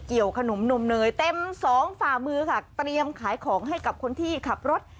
ขนมนมเนยเต็มสองฝ่ามือค่ะเตรียมขายของให้กับคนที่ขับรถ